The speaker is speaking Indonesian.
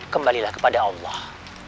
kembalilah kepada allah